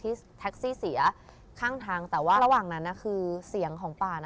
แท็กซี่เสียข้างทางแต่ว่าระหว่างนั้นคือเสียงของป่าน่ะ